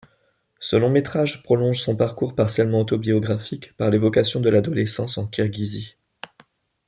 Ce long métrage prolonge son parcours partiellement autobiographique par l'évocation de l'adolescence en Kirghizie.